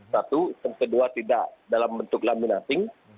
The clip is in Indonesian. satu yang kedua tidak dalam bentuk laminating